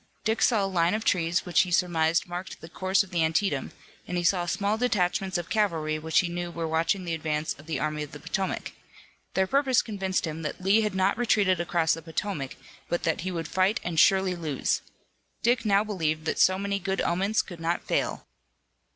Dick saw a line of trees which he surmised marked the course of the Antietam, and he saw small detachments of cavalry which he knew were watching the advance of the Army of the Potomac. Their purpose convinced him that Lee had not retreated across the Potomac, but that he would fight and surely lose. Dick now believed that so many good omens could not fail.